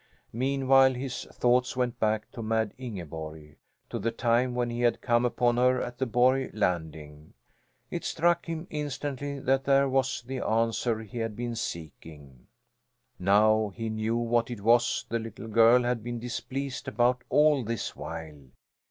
Meanwhile his thoughts went back to Mad Ingeborg to the time when he had come upon her at the Borg landing. It struck him instantly that here was the answer he had been seeking. Now he knew what it was the little girl had been displeased about all this while.